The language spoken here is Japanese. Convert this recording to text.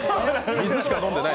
水しか飲んでない。